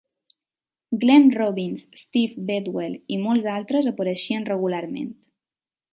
Glenn Robbins, Steve Bedwell i molts altres apareixien regularment.